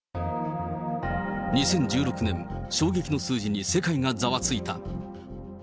２０１６年、衝撃の数字に世界がざわついた。